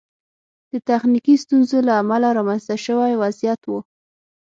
د تخنیکي ستونزو له امله رامنځته شوی وضعیت و.